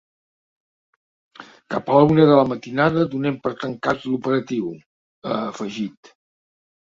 Cap a la una de la matinada donem per tancat l’operatiu, ha afegit.